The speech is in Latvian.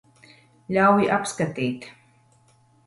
Ļauj apskatīt.